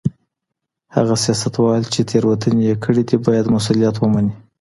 هغه سياستوال چي تېروتني يې کړې دي بايد مسؤليت ومني.